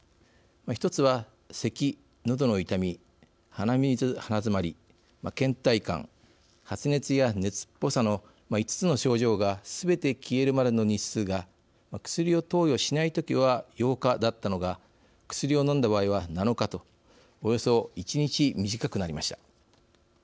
１つは、せき、のどの痛み鼻水・鼻づまり、けん怠感発熱や熱っぽさの、５つの症状がすべて消えるまでの日数が薬を投与しない時は８日だったのが薬を飲んだ場合は７日とおよそ１日短くなりました。